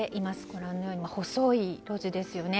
ご覧のように、細い路地ですよね。